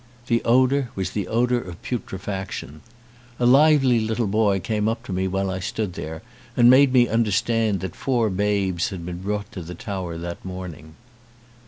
The odour was the odour of putrefaction. A lively little boy came up to me while I stood there and made me understand that four babes had been brought to the tower that morning.